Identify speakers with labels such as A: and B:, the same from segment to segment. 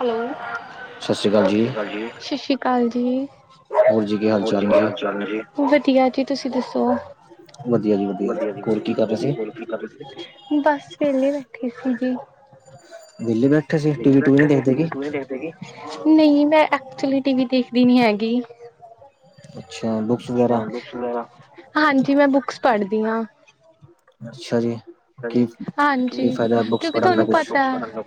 A: Hello
B: ਸਤਿ ਸ਼੍ਰੀ ਅਕਾਲ
A: ਸਸ ਸ੍ਰੀ ਕਾਲ ਜੀ, ਸਸ ਸ੍ਰੀ ਕਾਲ ਜੀ ਹੋਰ ਜੀ ਕੀ ਹਾਲ ਚਾਲ ਨੇ ਜੀ। ਵਧੀਆ ਜੀ ਤੁਸੀਂ ਦੱਸੋ,
B: ਵਧੀਆ ਜੀ
A: ਵਧੀਆ ਜੀ
B: ਹੋਰ ਕੀ
A: ਵਧੀਆ
B: ਕਰ ਰਹੇ ਸੀ
A: ਹੋ ਕੀ ਕਰ ਕੇ ਸੀ ਤੂ ਬਸ ਵੇਲੇ ਬੈਠੇ ਸੀ ਜੀ।
B: ਵੇਲੇ ਬੈਠੇ ਸੀ ਟੀਵੀ ਟੀਵੀ ਨੀ ਦੇਖਦੇ ਕਿ?
A: ਨੀ ਦੇਖਦੇ ਕੀ? ਨਈ ਮੈਂ ਐਕਚੁਲੀ ਟੀ ਵੀ ਦੇਖਦੀ ਨੀ ਹੈਗੀ।
B: ਅੱਛਾ ਬੁੱਕਸ ਵਗੈਰਾ
A: ਹਾਂਜੀ ਮੈਂ ਬੁੱਕਸ ਪੜ੍ਹਦੀ ਆ।
B: ਅੱਛਾ ਜੀ ਕੀ ਕੀ
A: ਹਾਂਜੀ
B: ਫਾਇਦਾ ਬੁੱਕਸ
A: ਕਿਉਂਕਿ
B: ਪੜ੍ਹਨ ਦਾ
A: ਤੁਹਾਨੂੰ
B: ਕੁਛ
A: ਪਤਾ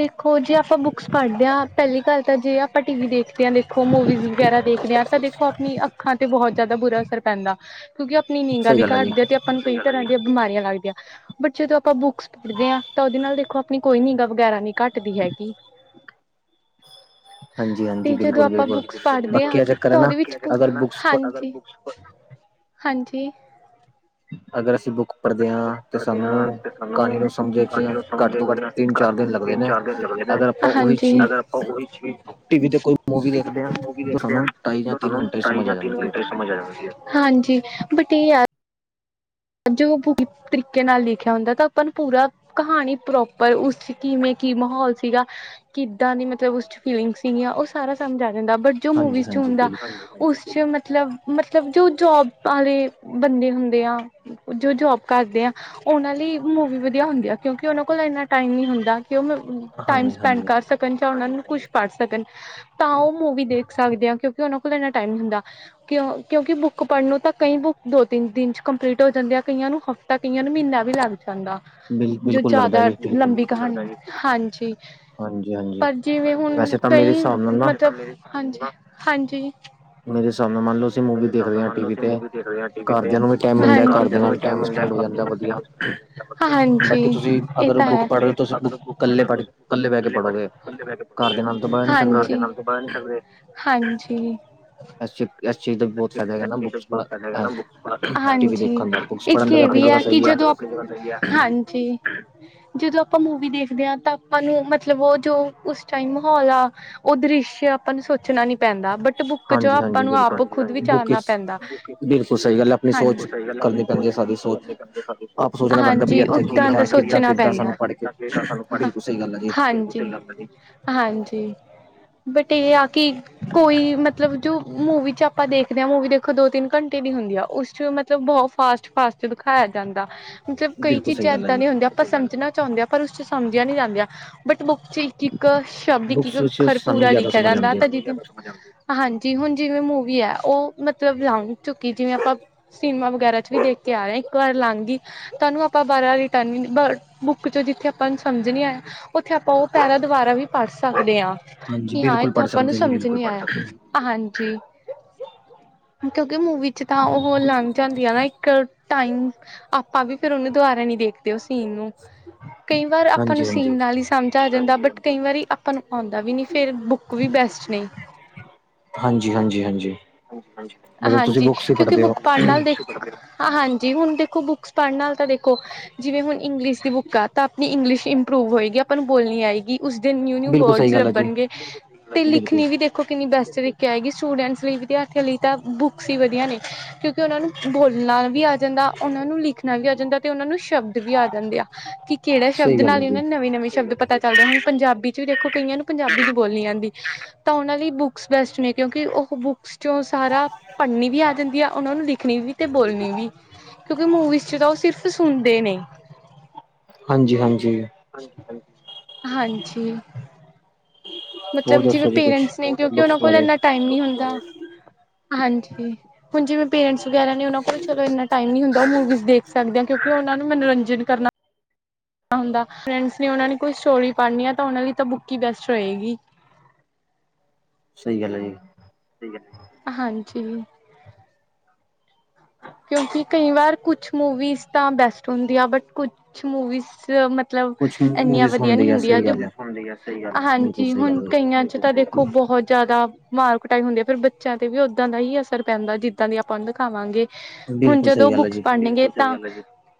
A: ਦੇਖੋ ਜੇ ਆਪਾਂ ਬੁੱਕਸ ਪੜ੍ਹਦੇ ਹਾਂ ਪਹਿਲੀ ਗੱਲ ਤਾਂ ਜੇ ਆਪਾਂ ਟੀ ਵੀ ਦੇਖਦੇ ਹਾਂ ਦੇਖੋ ਮੂਵੀਜ਼ ਵਗੈਰਾ ਦੇਖਦੇ ਹਾਂ ਤਾਂ ਦੇਖੋ ਆਪਣੀ ਅੱਖਾਂ ਤੇ ਬਹੁਤ ਜ਼ਿਆਦਾ ਬੁਰਾ ਅਸਰ ਪੈਂਦਾ ਕਿਉਂਕਿ ਆਪਣੀ ਨੀਂਗਾ
B: ਸਹੀ
A: ਵੀ
B: ਗੱਲ ਹੈ ਜੀ
A: ਘਟਦੇ ਆ ਤੇ ਆਪਾਂ ਨੂੰ ਕਈ ਤਰ੍ਹਾਂ ਦੀਆਂ ਬਿਮਾਰੀਆਂ ਲੱਗਦੀਆਂ ਬਟ ਜਦੋਂ ਆਪਾਂ ਬੁੱਕਸ ਪੜ੍ਹਦੇ ਹਾਂ ਤਾਂ ਉਹਦੇ ਨਾਲ ਦੇਖੋ ਆਪਣੀ ਕੋਈ ਨਿਗਾਹ ਵਗੈਰਾ ਨਹੀਂ ਘੱਟਦੀ ਹੈਗੀ
B: [inaudible] ਹਾਂਜੀ ਹਾਂਜੀ
A: ਤੇ ਜਦੋਂ
B: ਬਿਲਕੁਲ
A: ਆਪਾਂ
B: ਬਿਲਕੁਲ
A: ਬੁੱਕਸ ਪੜ੍ਹਦੇ ਹਾਂ
B: ਬਾਕੀ ਚੱਕਰ ਹੈ
A: ਤਾਂ
B: ਨਾ
A: ਉਹਦੇ ਵਿੱਚ
B: ਅਗਰ ਬੁੱਕਸ
A: ਹਾਂਜੀ
B: [inaudible]
A: ਹਾਂਜੀ
B: ਅਗਰ ਅਸੀਂ ਬੁੱਕ
A: ਅਗਰ
B: ਪੜ੍ਹਦੇ
A: ਅਸੀਂ ਬੁੱਕ
B: ਹਾਂ ਤੇ
A: ਪੜਦੇ ਹਾਂ
B: ਸਾਨੂੰ
A: ਤੇ ਸਾਨੂੰ
B: ਕਹਾਣੀ ਨੂੰ ਸਮਝੇ ਚ
A: ਕ ਨੂੰ ਸਮਝ
B: ਤੋਂ ਤਿੰਨ
A: ਘੱਟ
B: ਚਾਰ
A: ਤੋਂ
B: ਦਿਨ
A: ਘੱਟ
B: ਲੱਗਦੇ
A: ਤਿੰਨ
B: ਨੇ
A: ਚਾਰ ਦਿਨ ਲੱਗਦਾ
B: ਅਗਰ ਆਪਾਂ ਉਹੀ
A: ਹਾਂਜੀ
B: ਚੀਜ਼
A: ਅਗਰ ਆਪਾਂ ਉਹੀ ਚੀਜ
B: ਟੀਵੀ ਤੇ ਕੋਈ ਮੂਵੀ
A: ਟੀ ਵੀ
B: ਦੇਖਦੇ ਹਾਂ
A: ਤੇ
B: ਤਾਂ
A: ਦੇਖਦੇ ਹਾਂ
B: ਸਾਨੂੰ ਢਾਈ ਜਾਂ
A: ਤੇ
B: ਤਿੰਨ
A: ਸਾਨੂੰ
B: ਘੰਟੇ ਚ
A: ਢਾਈ
B: ਸਮਝ ਆ
A: ਜਾ ਤਿੰਨ
B: ਜਾਂਦੀ ਹੈ
A: ਘੰਟੇ ਸਮਝ ਆ ਜਾਂਦੀ ਹੈ ਬਟ ਇਹ ਹੈ ਜੋ ਤਰੀਕੇ ਨਾਲ ਲਿਖਿਆ ਹੁੰਦਾ ਤਾਂ ਆਪਾਂ ਨੂੰ ਪੂਰਾ ਕਹਾਣੀ ਪ੍ਰੋਪਰ ਉਸ ਚ ਕਿਵੇਂ ਕੀ ਮਾਹੌਲ ਸੀਗਾ ਕਿੱਦਾਂ ਮਤਲਬ ਉਸ ਚ ਫੀਲਿੰਗ ਸੀਗੀਆਂ ਉਹ ਸਾਰਾ ਸਮਝ ਆ ਬਟ ਜੋ
B: ਹਾਂਜੀ
A: ਮੂਵੀਜ਼ ਚ
B: ਹਾਂਜੀ
A: ਹੁੰਦਾ
B: ਬਿਲਕੁਲ
A: ਉਸ ਚ ਮਤਲਬ ਮਤਲਬ ਜੋ ਜੋਬ ਵਾਲੇ ਬੰਦੇ ਹੁੰਦੇ ਆ ਜੋ ਜੋਬ ਕਰਦੇ ਆ ਉਹਨਾਂ ਲਈ ਮੂਵੀ ਵਧੀਆ ਹੁੰਦੀ ਆ ਕਿਉਂਕਿ ਉਹਨਾਂ ਕੋਲ ਇੰਨਾ ਟਾਈਮ ਨਹੀਂ ਹੁੰਦਾ ਕਿ ਉਹ ਮ ਟਾਈਮ
B: ਹਾਂਜੀ ਹਾਂਜੀ
A: ਸਪੈਂਡ ਕਰ ਸਕਣ ਜਾਂ ਉਹਨਾਂ ਨੂੰ ਕੁਛ ਪੜ੍ਹ ਸਕਣ ਤਾਂ ਉਹ ਮੂਵੀ ਦੇਖ ਸਕਦੇ ਆ ਕਿਉਂਕਿ ਉਹਨਾਂ ਕੋਲ ਇੰਨਾ ਟਾਈਮ ਹੁੰਦਾ ਕਿ ਕਿਉਂਕਿ ਬੁੱਕ ਪੜ੍ਹ ਨੂੰ ਤਾਂ ਕਈ ਬੁੱਕ ਦੋ ਤਿੰਨ ਦਿਨ ਚ ਕੰਪਲੀਟ ਹੋ ਜਾਂਦੀ ਆ ਕਈਆਂ ਨੂੰ ਹਫ਼ਤਾ ਕਈਆਂ ਨੂੰ ਮਹੀਨਾ ਵੀ ਲੱਗ ਜਾਂਦਾ
B: ਬਿਲ
A: ਜੋ
B: ਬਿਲਕੁਲ ਲੱਗਦਾ
A: ਜ਼ਿਆਦਾ
B: ਜੀ ਬਿਲਕੁਲ
A: ਲੰਬੀ ਕਹਾਣੀ ਹਾਂਜੀ
B: ਹਾਂਜੀ ਹਾਂਜੀ
A: ਪਰ ਜਿਵੇਂ ਹੁਣ
B: ਵੈਸੇ ਤਾਂ ਮੇਰੇ
A: ਕਈ
B: ਹਿਸਾਬ ਨਾਲ ਨਾ
A: ਮਤਲਬ ਹਾਂਜੀ ਹਾਂਜੀ
B: ਮੇਰੇ ਹਿਸਾਬ ਨਾਲ ਮੰਨ ਲਓ ਅਸੀਂ ਮੂਵੀ ਦੇਖਦੇ ਹਾਂ ਟੀ ਵੀ ਤੇ ਘਰਦਿਆਂ ਨੂੰ ਮੈਂ ਕਿਹਾ
A: ਹਾਂਜੀ
B: ਬਾਕੀ
A: ਹਾਂਜੀ
B: ਤੁਸੀਂ
A: ਇਹ
B: ਅਗਰ
A: ਤਾਂ ਹੈ
B: ਬੁੱਕ ਪੜ੍ਹ ਰਹੇ ਹੋ ਤੁਸੀਂ ਬੁੱਕ ਇਕੱਲੇ ਪੜ੍ਹ ਇਕੱਲੇ ਕੇ
A: ਕੱਲੇ ਬਹਿ
B: ਪੜ੍ਹੋਗੇ
A: ਕੇ
B: ਘਰਦਿਆਂ ਨਾਲ ਤਾਂ
A: ਪੜੋ
B: ਪੜ੍ਹ ਨਹੀਂ ਸਕਦੇ
A: ਹਾਂਜੀ ਹਾਂਜੀ
B: ਇਸ ਚੀ ਇਸ ਚੀਜ਼ ਦਾ ਵੀ ਬਹੁਤ
A: ਅੱਛ
B: ਫਾਇਦਾ ਹੈਗਾ ਨਾ
A: ਅੱਛੇ ਤਾਂ
B: ਬੁੱਕਸ
A: ਬਹੁ ਹੈਗਾ ਨਾ
B: ਪੜ੍ਹ
A: [unintelligible]
B: ਟੀ ਵੀ
A: ਹਾਂਜੀ
B: ਦੇਖਣ ਦਾ ਬੁੱਕਸ
A: ਇੱਕ
B: ਪੜ੍ਹਨ ਦਾ
A: ਇਹ
B: ਆਪਣੀ
A: ਵੀ
B: ਜਗ੍ਹਾ
A: ਆ ਕਿ
B: ਸਹੀ ਹੈ
A: ਜਦੋਂ ਹਾਂਜੀ ਜਦੋਂ ਆਪਾਂ ਮੂਵੀ ਦੇਖਦੇ ਹਾਂ ਤਾਂ ਆਪਾਂ ਨੂੰ ਮਤਲਬ ਉਹ ਜੋ ਉਸ ਟਾਈਮ ਮਾਹੌਲ ਆ ਉਹ ਦ੍ਰਿਸ਼ਯ ਆਪਾਂ ਨੂੰ ਸੋਚ ਸੋਚਣਾ ਨੀ ਪੈਂਦਾ ਬਟ ਬੁੱਕ ਚ
B: ਹਾਂਜੀ
A: ਆਪਾਂ
B: ਹਾਂਜੀ
A: ਨੂੰ
B: ਬਿਲਕੁਲ
A: ਆਪ ਖੁਦ
B: ਬੁੱਕ
A: ਵਿਚਾਰਨਾ
B: ਇਚ
A: ਪੈਂਦਾ
B: ਬਿਲਕੁਲ ਸਹੀ ਗੱਲ ਹੈ ਆਪਣੀ
A: ਹਾਂਜੀ
B: ਸੋਚ ਕਰਨੀ ਪੈਂਦੀ ਹੈ ਸਾਰੀ ਸੋਚ ਆਪ ਸੋਚਣਾ ਪੈਂਦਾ ਬਈ
A: ਹਾਂਜੀ
B: ਇੱਥੇ ਕੀ
A: ਉਦਾਂ ਦਾ
B: ਹੈ ਕਿੱਦਾਂ
A: ਸੋਚਣਾ
B: ਕਿੱਦਾਂ ਸਾਨੂੰ
A: ਪੈਂਦਾ
B: ਪੜ੍ਹ ਕੇ ਬਿਲਕੁਲ ਸਹੀ ਗੱਲ ਹੈ ਜੀ
A: ਹਾਂਜੀ ਹਾਂਜੀ ਬਟ ਇਹ ਆ ਕਿ ਕੋਈ ਮਤਲਬ ਜੋ ਮੂਵੀ ਚ ਆਪਾਂ ਦੇਖਦੇ ਹਾਂ ਮੂਵੀ ਦੇ ਦੋ ਤਿੰਨ ਘੰਟੇ ਦੀ ਹੁੰਦੀ ਆ ਉਸ ਚ ਮਤਲਬ ਬਹੁਤ ਫਾਸਟ ਫਾਸਟ ਦਿਖਾਇਆ ਜਾਂਦਾ ਮਤਲਬ ਕਈ
B: ਬਿਲਕੁਲ ਸਹੀ
A: ਚੀਜ਼ਾਂ
B: ਗੱਲ ਹੈ
A: ਇੱਦਾਂ
B: ਜੀ
A: ਦੀਆਂ ਹੁੰਦੀਆਂ ਆਪਾਂ ਸਮਝਣਾ ਚਾਹੁੰਦੇ ਹਾਂ ਪਰ ਉਸ ਚ ਸਮਝਿਆ ਨਹੀਂ ਜਾਂਦਾ ਆਂ ਬਟ ਬੁੱਕ ਚ ਹੀ ਇੱਕ ਸ਼ਬਦ ਇੱਕ ਇੱਕ
B: ਬੁੱਕਸ ਵਿੱਚ
A: ਅੱਖਰ
B: ਸਾਨੂੰ
A: ਪੂਰਾ
B: ਜ਼ਿਆਦਾ
A: ਲਿਖਿਆ
B: ਸਮਝ
A: ਜਾਂਦਾ
B: ਆਉਂਦੀ ਹੈ
A: ਤਾਂ ਜਿਦ ਹਾਂਜੀ ਹੁਣ ਜਿਵੇਂ ਮੂਵੀ ਹੈ ਉਹ ਮਤਲਬ ਲੰਘ ਚੁੱਕੀ ਜਿਵੇਂ ਆਪਾਂ ਸਿਨੇਮਾ ਵਗੈਰਾ ਚ ਵੀ ਦੇਖ ਕੇ ਆ ਰਿਹਾ ਇੱਕ ਵਾਰ ਲੰਘ ਗਈ ਤਾ ਉਹਾਨੂੰ ਆਪਾਂ ਬਾਰਾਂ ਰਿਟਰਨ ਬੁੱਕ ਚੋਂ ਜਿੱਥੇ ਆਪਾਂ ਸਮਝਣੇ ਨੀ ਆਇਆਂ ਉੱਥੇ ਆਪਾਂ ਉਹ ਪਹਿਰਾਂ ਦੁਬਾਰਾ ਵੀ ਪੜ੍ਹ ਸਕਦੇ ਹਾਂ
B: ਹਾਂਜੀ
A: ਕਿ ਹਾਂ
B: ਬਿਲਕੁਲ
A: ਇੱਥੋਂ
B: ਪੜ੍ਹ
A: ਆਪਾਂ ਨੂੰ
B: ਸਕਦੇ ਹੋ ਜੀ
A: ਸਮਝ
B: ਬਿਲਕੁਲ
A: ਨੀ ਆਇਆ ਹਾਂਜੀ ਕਿਉਂਕਿ ਮੂਵੀ ਚ ਤਾਂ ਓਹੋ ਲੰਘ ਜਾਂਦੀ ਆ ਨਾ ਏਕ ਟਾਈਮ ਆਪਾਂ ਵੀ ਫੇਰ ਓਨੂੰ ਦੁਬਾਰਾ ਨੀ ਦੇਖਦੇ ਤੇ ਸੀਨ ਨੂੰ, ਕਈ ਵਾਰ ਆਪਾਂ ਨੂੰ
B: ਹਾਂਜੀ ਹਾਂਜੀ
A: ਸੀਨ ਨਾਲ ਈ ਸਮਝ ਆ ਜਾਂਦਾ ਬਟ ਕਈ ਵਾਰੀ ਆਪਾਂ ਨੂੰ ਆਉਂਦਾ ਵੀ ਨਈ ਫੇਰ ਬੁੱਕ ਵੀ ਬੈਸਟ ਨੇ
B: ਹਾਂਜੀ ਹਾਂਜੀ ਹਾਂਜੀ ਮਤਲਬ ਤੁਸੀਂ
A: ਹਾਂਜੀ
B: ਬੁੱਕਸ ਹੀ
A: ਕਿਉਂਕਿ
B: ਪੜ੍ਹਦੇ ਹੋ
A: ਬੁੱਕ ਪੜ੍ਹ ਨਾਲ ਦੇਖ, ਹਾਂਜੀ ਹੁਣ ਦੇਖੋ ਬੁੱਕਸ ਪੜ੍ਹ ਨਾਲ ਤਾਂ ਦੇਖੋ ਜਿਵੇਂ ਹੁਣ ਇੰਗਲਿਸ਼ ਦੀ ਬੁੱਕ ਤਾਂ ਆਪਣੀ ਇੰਗਲਿਸ਼ ਇੰਪਰੂਵ ਹੋਏਗੀ ਆਪਾਂ ਨੂੰ ਬੋਲਣੀ ਆਏਗੀ। ਉਸਦੇ ਨਿਊ-ਨਿਊ
B: ਬਿਲਕੁਲ ਸਹੀ
A: ਵਰਡਸ
B: ਗੱਲ ਹੈ ਜੀ
A: ਲੱਭਣਗੇ ਤੇ
B: ਬਿਲਕੁਲ
A: ਲਿਖਣੀ ਵੀ ਦੇ ਦੇਖੋ ਕਿੰਨੀ ਬੈਸਟ ਤਰੀਕੇ ਆਏਗੀ ਸਟੂਡੈਂਟਸ ਲਈ ਵਿਦਿਆਰਥੀਆਂ ਲਈ ਤਾਂ ਬੁੱਕਸ ਈ ਵਧੀਆ ਨੇ ਕਿਉਂ ਤੇ ਓਨਾਂ ਨੂੰ ਬੋਲਣਾ ਵੀ ਆ ਜਾਂਦਾ, ਓਨਾਂ ਨੂੰ ਲਿਖਣਾ ਵੀ ਆ ਜਾਂਦਾ ਤੇ ਓਨਾਂ ਨੂੰ ਸ਼ਬਦ ਵੀ ਆ ਜਾਂਦੇ ਆ। ਕੀ ਕੇੜੇ ਸ਼ਬਦ
B: ਸਹੀ ਗੱਲ ਹੈ
A: ਨਾਲ
B: ਜੀ
A: ਓਨਾਂ ਨਵੇਂ-ਨਵੇਂ ਸ਼ਬਦ ਪਤਾ ਪਤਾ ਚੱਲਦੇ ਹੁਣ ਪੰਜਾਬੀ ਚ ਵੀ ਦੇਖੋ ਕਈਆਂ ਨੂੰ ਪੰਜਾਬੀ ਨੀ ਬੋਲਣੀ ਆਂਦੀ। ਤਾਂ ਓਨਾਂ ਲਈ ਬੁੱਕਸ ਬੈਸਟ ਨੇ ਕਿਉਂਕਿ ਉਹ ਬੁੱਕਸ ਚੋਂ ਸਾਰਾ ਪੜ੍ਹਨੀ ਵੀ ਆ ਜਾਂਦੀ ਆ ਓਨਾਂ ਨੂੰ ਲਿਖਣੀ ਵੀ ਤੇ ਬੋਲਣੀ ਵੀ ਕਿਉਂਕਿ ਮ- ਵਿੱਚ ਤਾਂ ਓ ਸਿਰਫ ਸੁਣਦੇ ਨੇ
B: ਹਾਂਜੀ-ਹਾਂਜੀ।
A: ਹਾਂਜੀ।
B: ਹੋਰ
A: ਮਤਲਬ ਜਿਵੇਂ
B: ਦੱਸੋ ਜੀ ਕੁਛ
A: ਪੇਰੈਂਟਸ ਨੇ ਕਿਉਂਕਿ
B: ਬੁੱਕਸ
A: ਓਨਾਂ ਕੋਲ
B: ਬਾਰੇ
A: ਏਨਾ ਟਾਈਮ ਨੀ ਹੁੰਦਾ, ਹਾਂਜੀ। ਹੁਣ ਜਿਵੇਂ ਪੇਰੈਂਟਸ ਵਗੈਰਾ ਓਨਾਂ ਕੋਲ ਚੱਲੋ ਏਨਾ ਟਾਈਮ ਨੀ ਹੁੰਦਾ ਓਹ ਮੂਵੀਜ਼ਸ ਦੇਖ ਸਕਦੇ ਆ। ਕਿਉਂਕਿ ਓਨਾਂ ਨੂੰ ਮਨੋਰੰਜਨ ਕਰਨਾ ਹੁੰਦਾ ਫਰੈਂਡਸ ਨੇ ਓਨਾਂ ਨੇ ਕੋਈ ਸਟੋਰੀ ਪੜ੍ਹਨੀ ਆ ਤਾਂ ਓਨਾਂ ਲਈ ਤਾਂ ਬੁੱਕ ਈ ਬੈਸਟ ਰਏਗੀ।
B: ਸਈ ਗੱਲ ਏ ਜੀ।
A: ਠੀਕ ਐ, ਹਾਂਜੀ। ਕਿਉਂਕਿ ਕਈ ਵਾਰ ਕੁਛ ਮੂਵੀਜ਼ਸ ਤਾਂ ਬੈਸਟ ਹੁੰਦੀ ਆ ਬਟ ਕੁਛ ਮੂਵੀਜ਼ਸ ਚ ਮਤ ਮਤਲਬ
B: ਕੁਛ
A: ਏਨੀਆਂ
B: ਮੂਵੀਜ਼
A: ਵਧੀਆ ਨੀ
B: ਹੁੰਦੀ ਆ
A: ਹੁੰਦੀਆਂ
B: ਸਹੀ ਗੱਲ ਹੈ
A: [unintelligible]
B: ਬਿਲਕੁਲ
A: ਹਾਂਜੀ
B: ਸਹੀ
A: ਹੁਣ
B: ਗੱਲ ਹੈ
A: ਕਈਆਂ ਚ ਤਾਂ ਦੇਖੋ ਖੁੱਦ ਬੋਤ ਜਾਦਾ ਮਾਰ ਕਟਾਈ ਹੁੰਦੀ ਐ ਫੇਰ ਬੱਚਿਆਂ ਤੇ ਵੀ ਓਦਾਂ ਦਾ ਈ ਅਸਰ ਪੈਂਦਾ ਜਿੱਦਾਂ ਦੀ ਓਨੂੰ ਦਿਖਾਵਾਂਗੇ। ਹੁਣ
B: ਬਿਲਕੁਲ ਸਹੀ
A: ਜਦੋਂ
B: ਗੱਲ ਹੈ
A: ਬੁੱਕਸ
B: ਜੀ
A: ਪੜ੍ਹਨਗੇ ਤਾਂ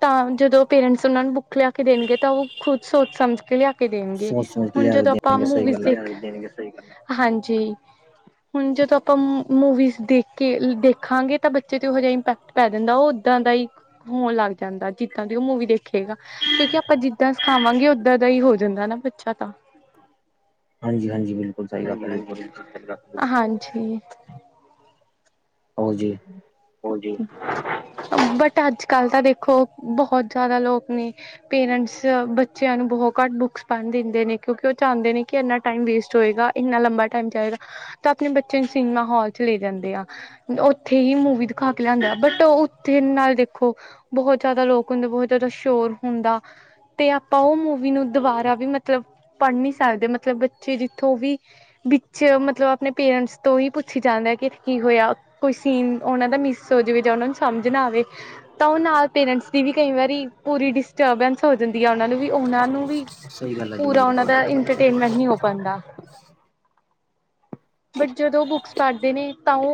A: ਤਾਂ ਜਦੋਂ ਪੇਰੈਂਟਸ ਓਨਾਂ ਨੂੰ ਬੁੱਕ ਲਿਆ ਕੇ ਦੇਣਗੇ ਤਾਂ ਓਹ ਖੁਦ ਸੋਚ ਸਮਝ ਕੇ ਲਿਆ ਕੇ ਦੇਣਗੇ
B: ਸੋਚ ਸਮਝ ਕੇ
A: ਹੁਣ
B: ਲਿਆ
A: ਜਦੋਂ ਆਪਾਂ
B: ਦੇਣਗੇ ਸਹੀ
A: ਮੂਵੀਜਸ
B: ਗੱਲ ਆ
A: ਦੇਖ [unintelligible] ਹਾਂਜੀ। ਹੁਣ ਜਦੋਂ ਮੂਵੀਜਸ ਦੇਖ ਕੇ ਦੇਖਾਗੇ ਤਾਂ ਬੱਚੇ ਤੇ ਓਹੀ ‌ਏਕਟ ਪੈ ਜਾਂਦਾ ਓ ਓਦਾ ਦੀ ਈ ਹੋਣ ਲੱਗ ਜਾਂਦਾ ਜਿੱਦਾਂ ਦੀ ਓ ਮੂਵੀ ਦੇਖੇਗਾ ਤਾਂ ਕਿਉਂਕਿ ਆਪਾਂ ਜਿੱਦਾਂ ਸਿਖਾਵਾਂਗੇ ਓਦਾਂ ਦਾ ਈ ਹੋ ਜਾਂਦਾ ਨਾ ਬੱਚਾ ਤਾਂ
B: ਹਾਂਜੀ-ਹਾਂਜੀ, ਬਿਲ
A: ਹਾਂਜੀ-ਹਾਂਜੀ ਬਿਲਕੁਲ, ਹਾਂਜੀ।
B: ਹੋਰ ਜੀ।
A: ਹੋਲ ਜੀ, ਬਟ ਅੱਜ-ਕੱਲ ਤਾਂ ਦੇਖੋ ਬੋਹਤ ਜਾਦਾ ਲੋਕ ਨੇ ਪੇਰੈਂਟਸ ਬੱਚਿਆਂ ਨੂੰ ਬੋਹਤ ਘੱਟ ਬੁੱਕਸ ਪੜ੍ਹਨ ਦਿੰਦੇ ਨੇ ਕਿਉਂਕਿ ਓ ਚਾਦੇ ਨੇ ਕਿ ਏਨਾ ਟਾਈਮ ਵੇਸਟ ਹੋਏਗਾ। ਏਨਾ ਲੰਬਾ ਟਾਈਮ ਚਾਈਦਾ ਤਾਂ ਆਪਣੇ ਬੱਚੇ ਨੂੰ ਸਿਨੇਮਾ ਹਾਲ ਚ ਲੈ ਜਾਂਦੇ ਆ ਓਥੇ ਈ ਮੂਵੀ ਦਿਖਾ ਕੇ ਲਿਆਂਦਾ ਬਟ ਓਥੇ ਨਾਲ ਦੇਖੋ। ਖੋ ਬੋਹਤ ਜਾਦਾ ਲੋਕ ਹੁੰਦੇ ਬੋਹਤ ਜਾਦਾ ਸ਼ੋਰ ਹੁੰਦਾ। ਤੇ ਆਪਾਂ ਓ ਮੂਵੀ ਨੂੰ ਦੁਬਾਰਾ ਵੀ ਮਤਲਬ ਪੜ੍ਹ ਨੀ ਸਕਦੇ ਮਤ ਬੱਚੇ ਜਿੱਥੋ ਵੀ ਵਿੱਚ ਮਤਲਬ ਆਪਣੇ ਪੇਰੈਂਟਸ ਤੋਂ ਈ ਪੁ ਪੁੱਛੀ ਜਾਂਦੇ ਆ ਕਿ ਕੀ ਹੋਯਾ ਕੋਈ ਸੀਨ ਓਨਾਂ ਦਾ ਮਿਸ ਹੋ ਜਾਵੇ ਜਾਂ ਓਨਾਂ ਨੂੰ ਸਮਝ ਨਾ ਆਵੇ ਤਾਂ ਓ ਨਾਲ ਪੇਰੈਂਟਸ ਦੀ ਵੀ ਕਈ ਵਾਰੀ ਪੂਰੀ ਡਿਸਟਰਬੈਂਸ ਹੋ ਜਾਂਦੀ ਆ ਓਨਾਂ ਨੂੰ ਵੀ ਓਨਾਂ ਨੂੰ ਵੀ
B: ਸਹੀ ਗੱਲ ਹੈ ਜੀ
A: ਪੂਰਾ
B: ਬਿਲਕੁਲ
A: ਉਹਨਾਂ ਦਾ
B: ਤੁਹਾਡੀ
A: ਇੰਟਰਟੇਨਮੈਂਟ ਨੀ ਹੋ ਪਾਂਦਾ। ਬਟ ਜਦੋਂ ਓ ਬੁੱਕਸ ਪੜ੍ਹਦੇ ਨੇ ਤਾਂ ਓ